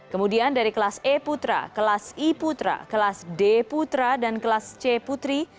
kemudian dari kelas e putra kelas i putra kelas d putra dan kelas c putri